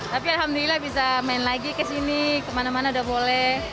tapi alhamdulillah bisa main lagi kesini kemana mana udah boleh